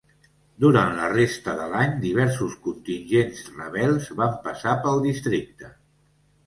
Durant la resta de l'any diversos contingents rebels van passar pel districte.